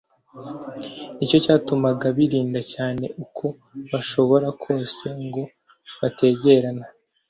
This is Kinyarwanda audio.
nicyo cyatumaga birinda cyane uko bashoboye kose ngo bategerana.